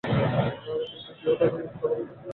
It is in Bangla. কিন্তু কেউ তাকে বুঝতে পারেনি।